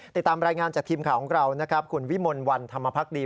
ติดตามรายงานจากทีมข่าวของเรานะครับคุณวิมลวันธรรมพักดี